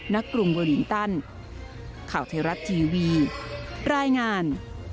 ในกรุงเวอรินตัน